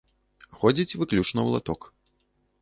Ходзіць выключна ў латок.